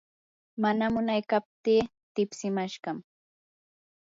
mana munaykaptii tipsimashqam.